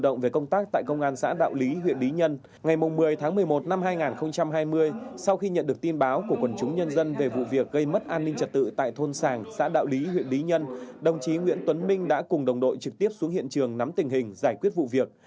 ngày một mươi tháng một mươi một năm hai nghìn hai mươi sau khi nhận được tin báo của quần chúng nhân dân về vụ việc gây mất an ninh trật tự tại thôn sàng xã đạo lý huyện lý nhân đồng chí nguyễn tuấn minh đã cùng đồng đội trực tiếp xuống hiện trường nắm tình hình giải quyết vụ việc